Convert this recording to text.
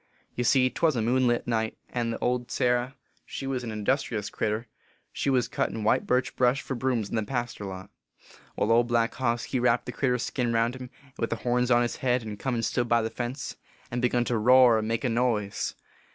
Ye see twas a moonlight night, and old Sarah she was an industrious critter she was cuttin white birch brush for brooms in th e paster lot. Wai, Old Black Hoss he wrapped the critter s skin round him, with the horns on his head, and come and stood by the fence, and begun to roar and make a noise.